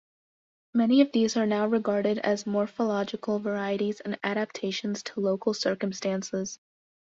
Many of these are now regarded as morphological varieties and adaptations to local circumstances.